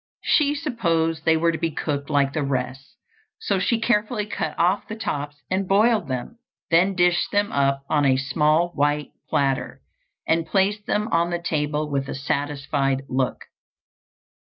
She supposed they were to be cooked like the rest, so she carefully cut off the tops and boiled them, then dished them up on a small white platter, and placed them on the table with a satisfied look.